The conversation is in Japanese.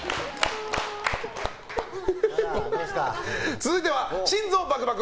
続いては心臓バクバク！